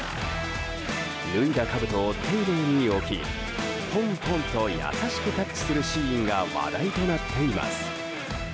脱いだかぶとを丁寧に置きポンポンと優しくタッチするシーンが話題となっています。